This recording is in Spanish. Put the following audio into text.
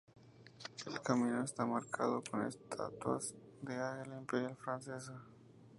El camino está marcado con estatuas del águila Imperial francesa.